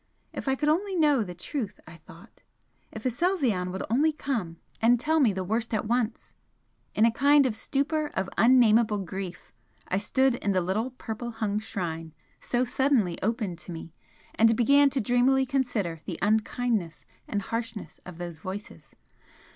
If I could only know the truth, I thought! if Aselzion would only come and tell me the worst at once! In a kind of stupor of unnameable grief I stood in the little purple hung shrine so suddenly opened to me, and began to dreamily consider the unkindness and harshness of those voices!